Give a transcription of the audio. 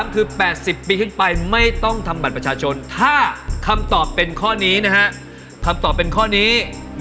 คุณพี่ต้องช่วยคุณต้องช่วยที่ไหน